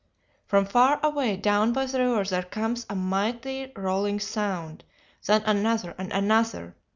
"From far away down by the river there comes a mighty rolling sound, then another, and another.